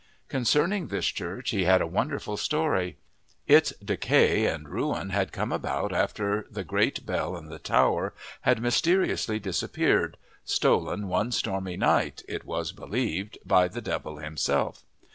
Concerning this church he had a wonderful story: its decay and ruin had come about after the great bell in the tower had mysteriously disappeared, stolen one stormy night, it was believed, by the Devil himself.